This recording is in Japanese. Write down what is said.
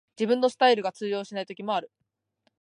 自分のスタイルが通用しない時もある